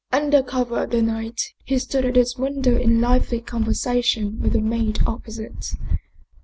Un der cover of the night, he stood at his window in lively conversation with the maid opposite.